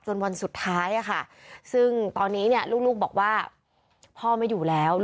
วันสุดท้ายซึ่งตอนนี้ลูกบอกว่าพ่อไม่อยู่แล้ว